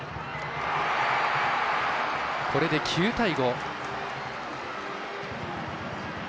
これで９対５。